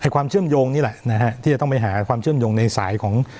ความเชื่อมโยงนี่แหละนะฮะที่จะต้องไปหาความเชื่อมโยงในสายของ